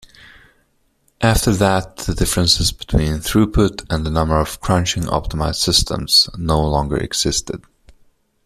After that the differences between throughput and number crunching-optimized systems no longer existed.